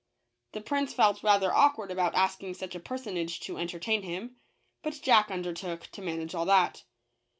The prince felt rather awkward about asking such a personage to entertain him ; but Jack undertook to manage all that.